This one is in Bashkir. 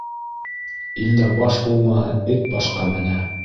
Илдә баш булмаһа, эт башҡа менә.